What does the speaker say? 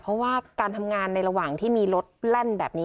เพราะว่าการทำงานในระหว่างที่มีรถแล่นแบบนี้